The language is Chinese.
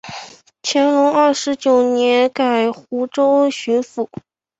乾隆二十九年改湖北巡抚。